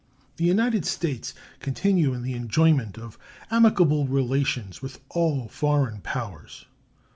The United States continue in the enjoyment of amicable relations with all foreign powers.